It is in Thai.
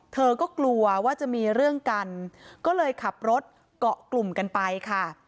เธอก็กลัวว่าจะมีเรื่องกันก็เลยขับรถเกาะกลุ่มกันไปค่ะ